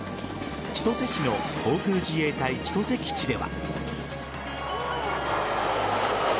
千歳市の航空自衛隊千歳基地では。